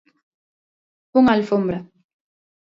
Unha alfombra.